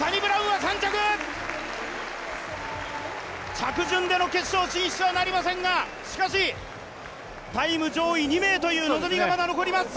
着順での決勝進出はなりませんが、しかし、タイム上位２名という望みが残ります。